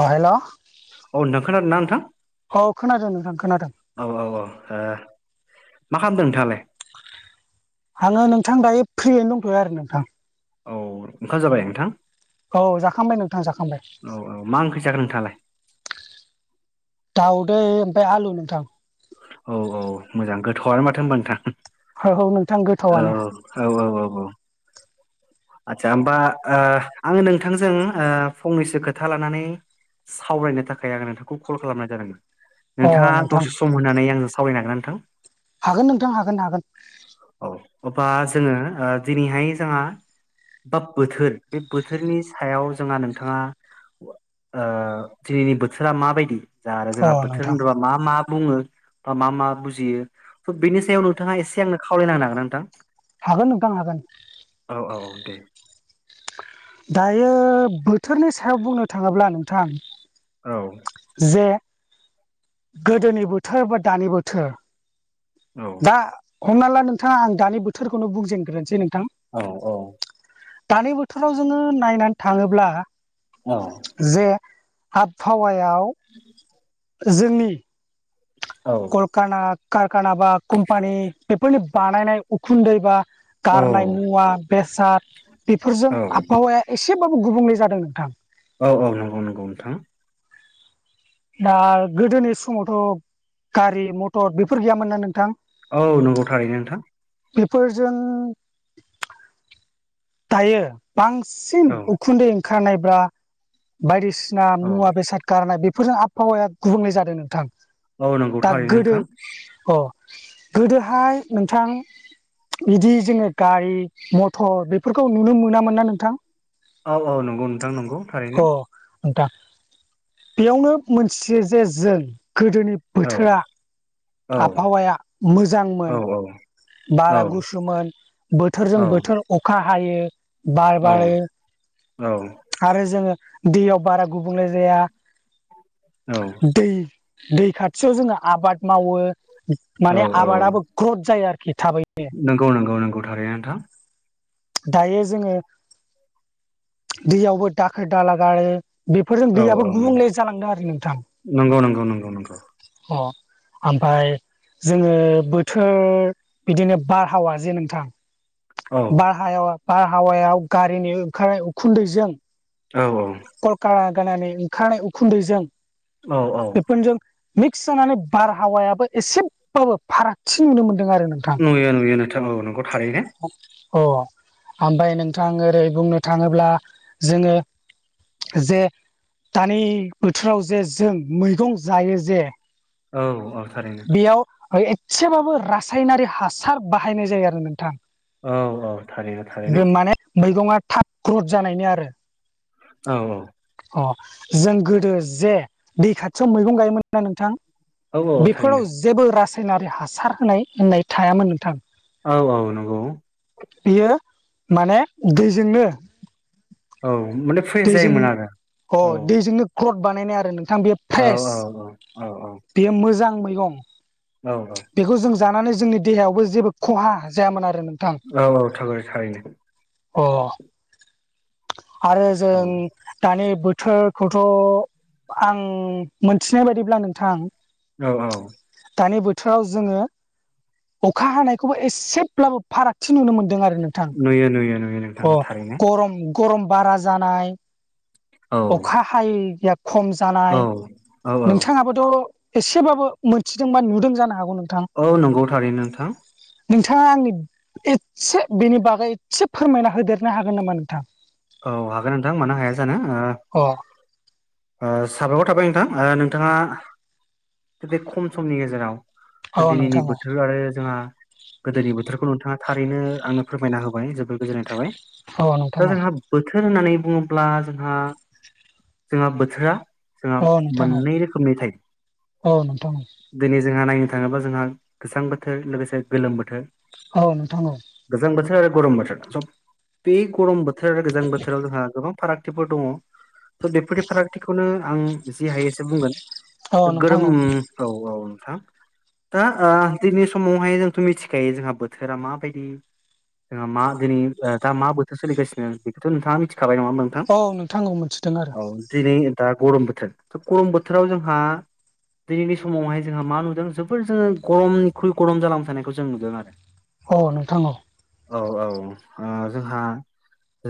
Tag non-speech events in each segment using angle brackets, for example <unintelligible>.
अ हेल' औ नोंथां खोनादोना नोंथां? औ खोनादों नोंथां खोनादों। औ औ ओ मा खालामदों नोंथाङालाय? आंङो नोंथां दायो फ्रियैनो दंथोयो आरो नोंथां। औ ओंखाम जाबाय नोंथां? औ जाखांबाय नोंथां जाखांबाय। औ औ मा ओंख्रै जाखो नोंथाङालाय? दाउदै ओमफ्राय आलु नोंथां। औ औ मोजां गोथावानो माथो होनबा नोंथां। औ औ नोंथां औ गोथावानो। औ औ औ औ आदसा होमबा ओ आंङो नोंथांजों ओ फंनैसो खोथा लानानै सावरायनो थाखाय आंङो नोंथांखौ कल खालामनाय जादोंमोन। अ नोंथाङा नोंथां दसे सम होननानै आंजों सावरायनो हागोना नोंथां? हागोन नोंथां हागोन हागोन। औ अब्ला जोंङो दिनैहाय जोंहा बा बोथोर बे बोथोरनि सायाव जोंहा नोंथाङा ओ दिनैनि बोथोरा माबायदि जा आरो अ जोंहा बोथोर नोंथां होनोबा मा मा बुङो बा मा मा बुजियो थ' बेनि सायाव नोंथाङा एसे आंनो खावलायना होनो हागोना नोंथां? हागोन नोंथां हागोन। औ औ दे। दायो बोथोरनि सायाव बुंनो थाङोब्ला नोंथां। औ जे गोदोनि बोथोर बा दानि बोथोर औ दा हमना ला नोंथाङा आं दानि बोथोरखौनो बुंजेनग्रोनोसै नोंथां। औ औ दानि बोथोराव जोङो नायनानै थाङोब्ला औ जे आबहावायाव जोंनि औ काना कारखाना बा कम्पानि बेफोरनि बानायनाय उखुन्दै बा गारनाय मुवा बेसाद बेफोरजों औ आबहावाया एसेबाबो गुबुंले जादों नोंथां। औ औ नंगौ नंगौ नोंथां। दा गोदोनि समावथ' गारि मटर बेफोर गैयामोन ना नोंथां। औ नंगौ थारैनो नोंथां बेफोरजों दायो बांसिन औ उखुन्दै ओंखारनायब्रा बायदिसिना मुवा बेसाद गारनाय बेफोरजों आबहावाया गुबुंले जादों नोंथां औ नंगौ दा थारैनो गोदो नोंथां अ गोदोहाय नोंथां बिदि जोङो गारि मथर बे फोरफोरखौ नुनो मोनामोन ना नोंथां औ औ नंगौ नोंथां नंगौ थारैनो अ नोंथां बेयावनो मोनथियो जे जों गोदोनि औ बोथोरा औ आबहावाया मोजांमोन औ बारा औ गुसोन बोथोरजों बोथोर अखा हायो बार औ बारो औ आरो जोङो दैयाव बारा गुबुंले जाया औ दै दै खाथियाव जोङो आबाद मावो औ माने औ आबादाबो ग्रथ जायो आरोखि थाबै नंगौ नंगौ नंगौ थारैनो नोंथां दायो जोङो दैयावबो दाखोर दाला गारो बेफोरजों औ दैयाबो औ गुबुंले जालांदों आरो नोंथां नंगौ नंगौ नंगौ नंगौ अ ओमफ्राय जोङो बोथोर बिदिनो बारहावा जे नोंथां औ बारहायाव बारहावायाव गारिनि ओंखारनाय उखुन्दैजों औ औ कलकार कानानिओंखारनाय उखुन्दैजों औ औ बेफोरजों मिक्स जानानै बारहावायाबो एसेबाबो फारागथि नुनो मोन्दों आरो नोंथां नुयो नुयो नोंथां औ नोंखौ थारैनो अ ओमफ्राय नोंथां ओरै बुंनो थाङोब्ला जोङो जे दानि बोथोराव जे जों मैगं जायो जे औ औ थारैनो बेयाव एसेबाबो रासायनारि हासार बाहायनाय जायो आरो नोंथां औ औ थारैनो थारैनो बे माने मैगं थाब ग्रद जानायनि आरो औ औ अ जों गोदो जे दै खाथियाव मैगं गायोमोन ना नोंथां औ औ थारैनो बेफोराव जेबो रासायनारि हासार होनाय होननाय थायामोन नोंथां औ औ नंगौ बियो माने दैजोंनो औ माने फ्रेस दैजों जायोमोन आरो अ औ दैजोंनो क्लथ बानायनाय आरो नोंथां बेयो औ फ्रेस औ औ बेयो मोजां मैगं औ औ बेखौ जों जानानै जोंनि देहायावबो जेबो खहा जायामोन आरो नोंथां औ औ थाग थारैनो अ आरो औ जों दानि बोथोर खौथ' आं मोनथिनाय बायदिब्ला नोंथां। औ औ। दानि बोथोराव जोङो अखा हानायखौबो एसेब्लाबो फारागथि नुनो मोनदों आरो नोंथां नुयो नुयो नु अ गरम गरम बारा जानाय औ। अखा हायैैया खम औ जानाय औ नोंथाङाबोथ' एसेबाबो मोनथिदोंबा नुदों जानो हागौ नोंथां? औ नंगौ थारै नोंथां। नोंथाङा आंनि एसे बेनि बागै एसे फोरमायना होदेरनो हागोन नामा नोंथां? औ हागोन नोंथां मानो हाया जानो। अ। ओ साबायखर थाबाय नोंथां नोंथाङा बे खम समनि गेजेराव औ दिनैनि नोंथां औ बोथोर आरो जोंहा गोदोनि बोथोरखौ नोंथाङा थारैनो आंनो फोरमायना होबाय जोबबोद गोजोननाय थाबाय औ । नोंथां दा औ जोंहा बोथोर होननानै बुङोब्ला जोंहा जोंहा बोथोरा जोंहा औ नोंथां औ मोननै रोखोमनि औ नोंथां औ नोंथां थायो दिनै जोंहा नायनो थाङोबा जोंहा गोजां बोथोर लोगोसे गोलोम बोथोर। औ नोंथां औ। गोजां बोथोर आरो गरम बोथोर सब बे गरम बोथोर आरो गोजां बोथोराव जोंहा गोबां। फारागथिफोर दङ थ' बेफोरदि फारागथिखौनो आं जि हायो एसे बुंगोन। औ नोंथां गोरम औ औ नोंथां। दा ओ दिनै समावहाय जोंथ' मिथिखायो जोंहा बोथोरा माबायदि। जोंहा मा दिनै दा मा बोथोर सोलिगासिनो बेखौथ' नोंथाङा मिथिखाबाय नङा होन औ नोंथांखौ मोनथिदों आरो। दिनै दा गरम बोथोर' गरम बोथोराव जोंहा दिनैनि समावहाय जोंहा मा नुदों जोबोर जोङो गरमनिख्रुइ गरम जालांबाय थानायनायखौ जों नुदों आरो। <inaudible> औ नोंथां औ। औ औ जोंहा।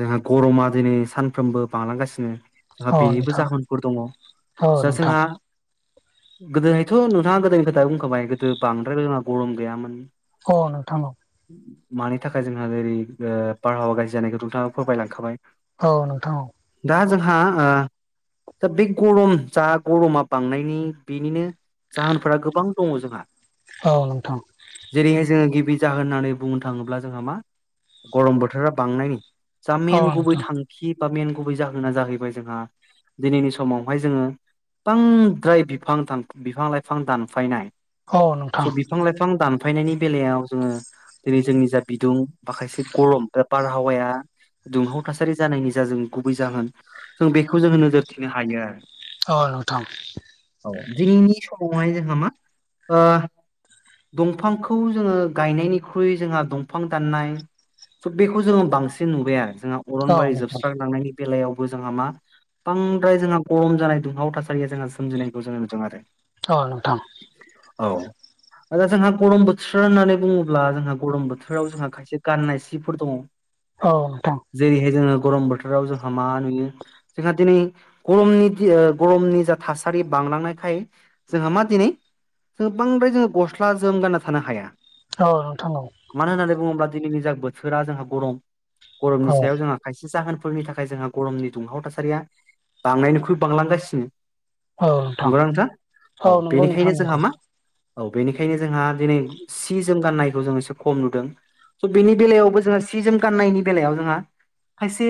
जोंहा गरमा दिनै सानफ्रोमबो बांलांगासिनो। जोंहा औ बेनिबो नोंथां जाहोनफोर दङ। औ दा नोंथां जोंहा गोदोहायथ' नोंथाङा गोदोनि खोथा बुंखाबाय गोदो बांद्राय गो जोंहा गरम गैयामोन। अ नोंथां। मानि थाखाय जोंहा जेरै ओ बारहावा गाज्रि जानायखौ नोंथाङा फोरमायलांखाबाय। औ नोंथां। दा जोंहा ओ दा बे गरम जा गरमा बांनायनि बेनिनो जाहोनफोरा गोबां दङ जोंहा। औ नोंथां। जेरैहाय जोङो गिबि जाहोन होननानै बुंनो थाङोब्ला जोंहा मा गरम बोथोरा बांनायनि जा मेन गुबै थांखि बा मेन गुबै जाहोना जाहैबाय जोंहा दिनैनि समावहाय जोङो बांद्राय बिफां बिफां लाइफां दानफायनाय। औ नोंथां औ नोंथां स' बिफां लाइफां दान थाफायनायनि बेलायाव जोङो दिनै जोंनि जा बिदुं माखायसे गरम बे बारहावाया दुंहाव थासारि जानायनि जा जों गुबै जाहोन जों बेखौ जोङो नोजोर थिनो हायो आरो। औ नथां। औ दिनैनि समावहाय जोंहा मा ओ दंफांखौ जोङो गायनायनिख्रुइ जोंहा दंफां दाननाय। स' बेखौ जोङो बांसिन नुबाया जोंहा औ नोंथां औ नोंथां औ अरनबारि नोंथां जोबस्रांलांनायनि बेलायावबो जोंहा मा बांद्राय जोंहा गरम जानाय दुंहाव थासारिया जोंहा सोमजिनायखौ जो नुदों आरो अ नोंथां औ दा जोंहा गरम बोथोर होननानै बुङोब्ला जोंहा गरम बोथोराव जोंहा खायसे गाननाय सिफोर दङ औ नोंथां। जेरैहाय जोङो गरम बोथोराव जोंहा मा नुयो। जोंहा दिनै गरमनि दि गरमनि जा थासारि बांलांनायखाय जोंहा मा दिनै जों बांद्राय जों गस्ला जोम गानना थानो हाया औ नोंथां औ मानो होननानै बुङोब्ला दिनैनि जा बोथोरा जोंहा गरम औ गरमनि सायाव जोंहा खायसे जाहोनफोरनि थाखाय जोंहा गरमनि दुंहाव थासारिया बांनायनिख्रुइ बांलांगासिनो नंगौना नोंथां औ नंगौ नोंथां बेनिखायनो नंगौ जोंहा मा औ बेनिखायनो जोंहा दिनै सि जोम गाननायखौ जों एसे खम नुदों स' बेनि बेलायावबो जोंहा सि जोम गाननायनि बेलायाव जोंहा खायसे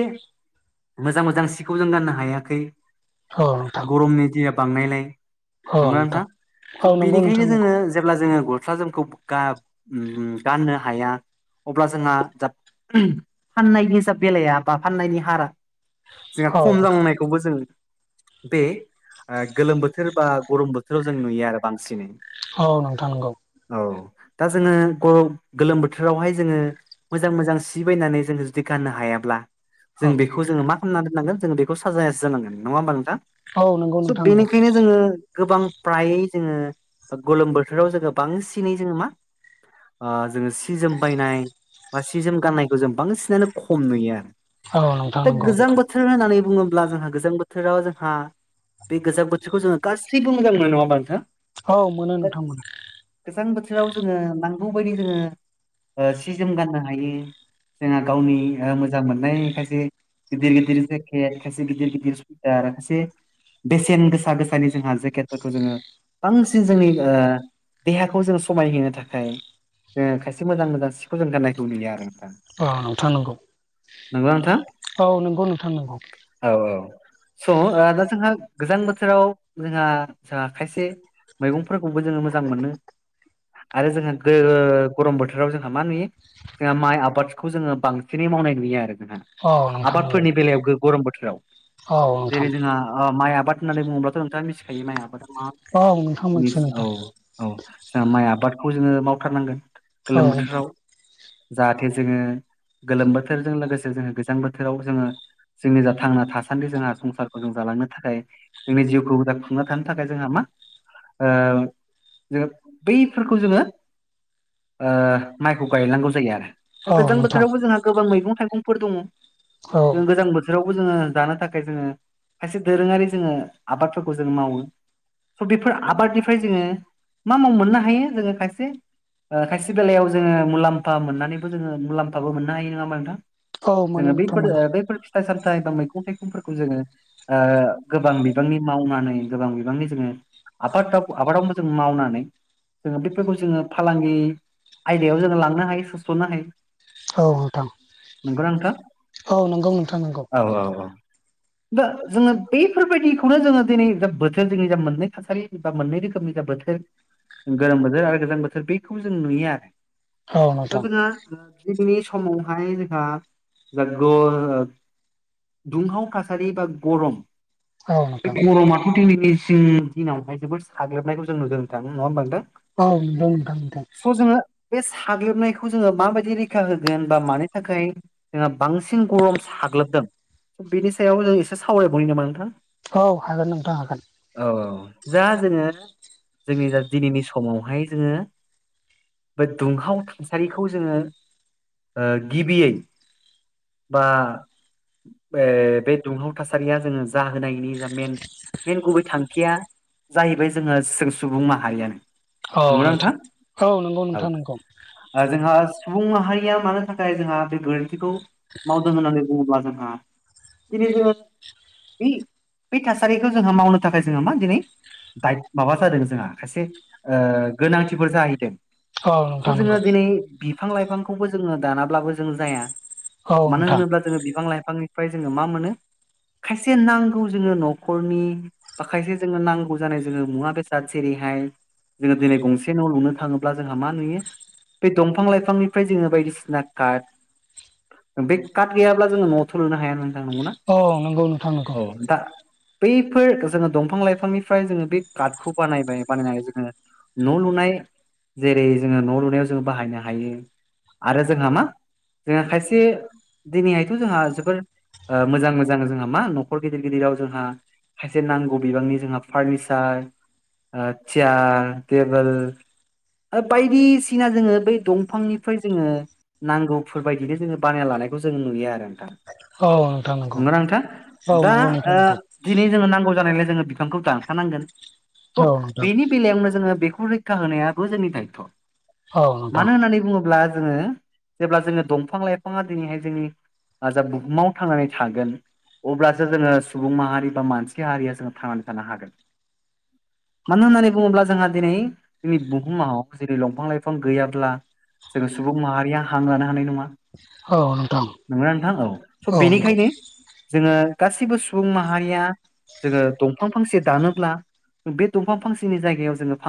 मोजां मोजां सिखौ जों गाननो हायाखै औ नोंथां गरमनि दिया बांनायलाय औ नंला नोंथा नोंथां औ स' नंगौ बिनिखायनो नोंथां नंगौ जोङो जेब्ला जोङो गस्ला जोमखौ गाननो हाया अब्ला जोंहा फाननायनिस बेलाया बा फाननायनि हारा जोंहा औ खम नोंथां जालांनाय बेखौबो जों बे गोलोम बोथोर बा गरम बोथोराव जों नुयो आरो बांसिनै औ नोंथां नंगौ औ दा जोङो गोलोम बोथोरावहाय जोङो मोजां मोजां बायनानै जों जुदि गनो हायाब्ला जों औ बेखौ जोङो मा खालामनाोननांगोन जोङ बेखौाजास जानांग नङा होमबा नोंथां औ नंगौ स' नोंथां नंगौ बेनिखायनो जोङो गोबां फ्रायै जोङो गोलोम बोथोराव जोङो बांसिनै जोङो मा जोङो सि जोम बायनाय बा सि जोम गाननाय जों बांसिनानो खम नुयो आरो औ नोंथां दा नंगौ गोजां नोंथां बोथोर बोथोर होननानै बुङोब्ला जोंहा गोजां बोथोराव जोंहा बे गोजां बोथोरखौ जोङो गासैबो मोजां मोनो नङाबा नोंथां औ मोनो दा नोंथांमोना गोजां बोथोराव जोङो नांगौ बायदि जोङो सि जोम गाननो हायो जोंहा गावनि मोजां मोननाय खायसे गिदिर गिदिरस खे खायसे गिदिर गिदिर सुथार खायसे बेसेन गोसा गोसानि जोंहा जेकेटफोरखौ जोङो बांसिन जोंनि देहाखौ जोंङ समायहो थाखाय जोङो खायसे मोजां मोजां सिखौ जों गाननायखौ नुयो आरो दा अ नोंथांनांगौ नोंगौ नोंथाङ नंगौ औ औ स' दा जोंहा गोजां बोथोराव जोंहा जोंहा खायसे मैगंफोरखौबो जोङो मोजां मोनो आरो जोंहा गरम बोथोराव जोंहा मा नुयो जोंहा माइ आबाद बे खौ जोङो बांसिनै मावनाय नुयो आरो जों औ नोंथां नंगौ आबादफोरनि बेलायाव गो गरम बोथोराव औ नोंथां जेरै जोंहा माइ आबाद होननानै बुङोब्लाथ' नोंथाङा मिथिखायो माइ आबादा मा औ नोंथां मोनथियो नोंथां औ औ जोंहा माइ आबादखौ जोङो मावथारनांगोन औ गोलोम नोंथां बोथोराव जाहाथे जोङो गोलोम बोथोरजों लोगोसे जोङो गोजां बोथोराव जोङो जोंनि जा थांना थासान्दि जोंहा संसारखौ जों जालांनो थाखाय जोंनि जिउखौ होदा खांना थानो थाखाय जोंहा मा जोङो बैफोरखौ जोङो ओ माइखौ गायनांगौ जायो आरो दा औ गोजां नोंथां बोथोरावबो जोंहा गोबां मैगं थाइगंफोर दङ औ जों गोजां बोथोरावबो जोङो जानो थाखाय जोङो खायसे दोरोङारि जोङो आबादफोरखौ जों मावो । स बेफोर आबादनिफ्राय जोङो मा माव मोननो हायो जोङो खायसे ओ खायसे बेलायाव जोङो मुलाम्फा मोननानैबो जोङो मुलाम्फाबो मोननो हायो । नङा होमबा नोंथां? औ मोनो जोङो नोंथां बेफोर मोनो बैफोर फिथाइ सामथाइ बा मैगं थाइगंफोरखौ जोङो ओ गोबां बिबांनि मावनानै गोबां बिबांनि जोङो आबादाव आबादावनो जों मावनानै जोङो बेफोरखौ जोङो फालांगि आयदायाव जोङो लांनो हायो सोस'नो हायो । औ नोंथां । नंगोना नोंथां? औ नंगौ नोंथां नंगौ औ औ औ दा जोङो बैफोरबायदिखौनो जोङो दिनै जा बोथोर जोंनि जा मोननै थासारि बा मोननै रोखोमनि जा बोथोर गोलोम बोथोर आरो गोजां बोथोर बेखौ जों नुयो आरो औ नोंथां फनि समावहाय जोंहा दुंहाव थासारि बा गरम औ बे नोंथां गरमा दिनैनिसिं दिनावहाय जोबोद साग्लोबनायखौ जों नुदों नोंथां नङा होनबा नोंथां? औ दं दां दं स' जोङो बे साग्लोबनायख बेखौ जोङो माबायदि रैखा होगोन बा मानि थाखाय जोंहा बांसिन गरम साग्लोबदों बेनि सायाव जों एसे सावरायबावनि नामा नोंथां? औ हागोन नोंथां हागोन औ औ जा जोङो जोंनि जा दिनैनि समावहाय जोङो बे दुंहाव थुनासारिखौ जोङो ओ गिबियै बा बे बे दुंहाव थासारिया जोङो जाहोनायनि जा मेन मेन गुबै थांखिया जाहैबाय जोङो सुबुं माहारियानो । औ नोंथां औ नंगौ नोंथां नंगौ ओ जोंहा सुबुं माहारिया मानो थाखाय जोंहा बे गोरोन्थिखौ मावदों होननानै बुङोब्ला जोंहा दिनै जोङो बे - बे थासारिखौ जोंहा मावनो थाखाय जोंहा मा दिनै गाइद माबा जादों जोंहा खायसे ओ गोनांथिफोर जाहैदों । औ नोंथां नंगौ । बिफां लाइफांखौबो जोङो दानाबाबो जाया औ मानो नोंथां होनोब्ला जोङो बिफां लाइफांनिफ्राय जोङो मा मोनो खायसे नांगौ जोङो न'खरनि माखायसे जोङो नांगौ जानाय जोङो मुवा बेसाद जेरैहाय जोङो दिनै गंसे न' लुनो थाङोब्ला जोंहा मा नुयो? बे दंफां लाइफांनिफ्राय जोङो बायदिसिना कार्ड बे कार्ट गैयाब्ला जोङो न <unintelligible> लोंनो हाया नोंथां नंगौ ना औ नंगौ नोंथां नंगौ औ दा बैफोर जोङो दंफां लाइफांनिफ्राय जोङो बे कार्डखौ बानायबाय बानायनानै जोङो न' लुनाय जेरै जोङो न' लुनायाव जोङो बाहायनो हायो आरो जोंहा मा जोंहा खायसे दिनैहायथ' जोंहा जोबोर मोजां - मोजां जोंहा मा न'खर गिदिर गिदिराव जोंहा खायसे नांगौ बिबांनि जोंहा फार्निचार ओ चेयार टेबोल आरो बायदिस सिना जोङो बै दंफांनिफ्राय जोङो नांगौफोरबायदिनो जोङो बानायना लानायखौ जों नुयो आरो नोंथां । औ नोंथां नंगौ नंगौना नोंथां औ दा नंगौ नोंथां नंगौ दिनै जोङो नांगौ जानायलाय जोङो बिफांखौ दानफानांगोन। स' औ नोंथां बेनि बेलायावनो जोङो बेखौनो सिखा होनायाबो जोंनि दायथ'। औ नोंथां मानो होननानै बुङोब्ला जोङो जेब्ला जोङो दंफां लाइफाङा दिनैहाय जोंनि जा बुहुमाव थांनानै थागोन। अब्लासो जोङो सुबुं माहारि बा मानसि हारिया जोङो थांनानै थानो हागोन मानो होननानै बुङोब्ला जोंहा दिनै जोंनि बुहुमाव जेरै दंफां लाइफां फां गैयाब्ला जोङो सुबुं माहारिया हां लानो हानाय नङा औ नोंथां नंगना नोंथां औ स' औ नंगौ बेनिखायनो जोङो गासिबो सुबुं माहारिया जोङो दंफां फांसे दानोब्ला बे दंफां फांसेनि जायगायाव जोङो फां